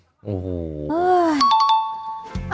โอ้โห